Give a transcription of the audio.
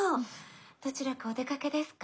どちらかお出かけですか？